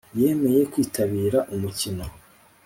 yemeye kwitabira umukino: